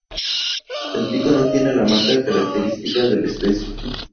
El pico no tiene la marca característica de la especie.